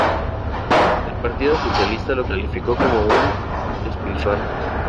El Partido Socialista, la calificó como un "despilfarro".